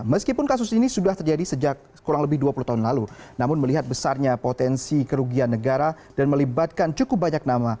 meskipun kasus ini sudah terjadi sejak kurang lebih dua puluh tahun lalu namun melihat besarnya potensi kerugian negara dan melibatkan cukup banyak nama